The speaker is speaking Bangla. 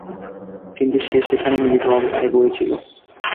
কিন্তু সে সেখানে মৃত অবস্থায় পড়ে ছিল।